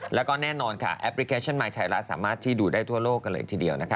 แล้วก็แน่นอนค่ะแอปพลิเคชันมายไทยรัฐสามารถที่ดูได้ทั่วโลกกันเลยทีเดียวนะคะ